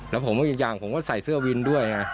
แล้วผมก็อีกอย่างผมก็ใส่เสื้อวินด้วยไง